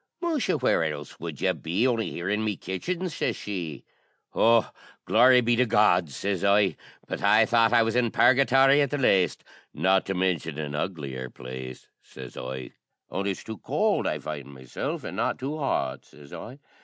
"Musha! where else would ye be on'y here in my kitchen?" shashee. "O, glory be to God!" sez I, "but I thought I was in Purgathory at the laste, not to mintion an uglier place," sez I, "only it's too cowld I find meself, an' not too hot," sez I.